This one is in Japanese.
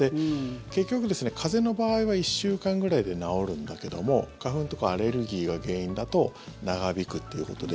結局、風邪の場合は１週間くらいで治るんだけども花粉とかアレルギーが原因だと長引くということで。